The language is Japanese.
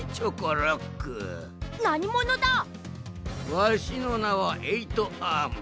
わしのなはエイトアーム。